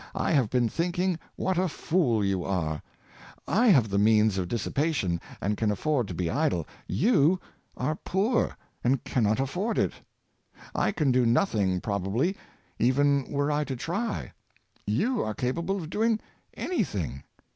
I have been thinking what a fool you are! /have the means of dissipation, Dr. A mold an Exefnplar. 127 and can afford to be idle; you are poor, and can not afford it. / could do nothing, probably, even were I to try : you are capable of doing any thing.